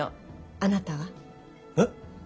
あなたは？えっ？